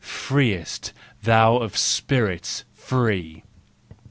Freest thou of spirits free!